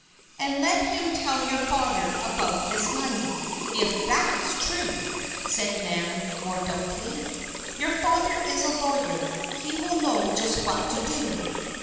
"And let him tell your father about his money if that's true," said Nan, more doubtfully. "Your father is a lawyer. He will know just what to do."